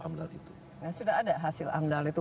amdal itu sudah ada hasil amdal itu